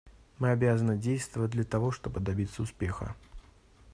Мы обязаны действовать, для того чтобы добиться успеха.